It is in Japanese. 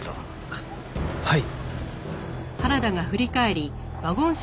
あっはい。